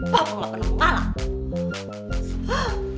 papa gak pernah kalah